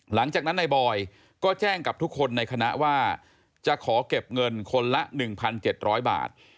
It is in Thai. หลังจากนั้นนายบอยก็แจ้งกับทุกคนในคณะว่าจะขอเก็บเงินคนละ๑๗๐๐บาท